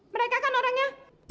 mereka kan orangnya